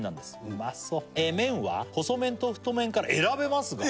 うまそう「麺は細麺と太麺から選べますが」